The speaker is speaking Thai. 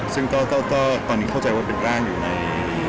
ซึ่งก็ตอนนี้เข้าใจว่าเป็นร่างอยู่ใน